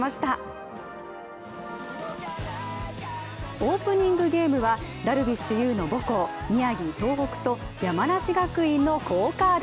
オープニングゲームはダルビッシュ有の母校、宮城・東北と山梨学院の好カード。